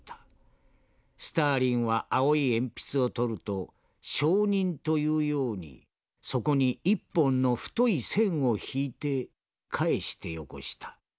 スターリンは青い鉛筆を取ると承認というようにそこに１本の太い線を引いて返してよこした」。